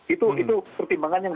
itu pertimbangan yang